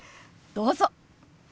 どうぞ！